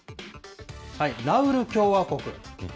ナウル共和国。